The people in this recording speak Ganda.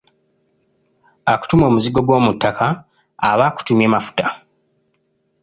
Akutuma omuzigo gw’omuttaka, aba akutumye Mafuta.